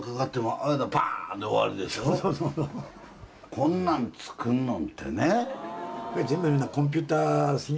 こんなん作んのんってね。